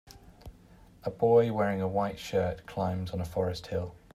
A boy wearing a white shirt climbs on a forest hill.